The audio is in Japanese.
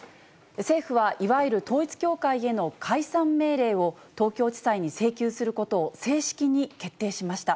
政府は、いわゆる統一教会への解散命令を東京地裁に請求することを正式に決定しました。